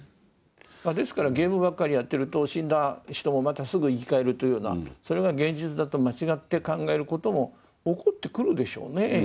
ですからゲームばっかりやってると死んだ人もまたすぐ生き返るというようなそれが現実だと間違って考えることも起こってくるでしょうね。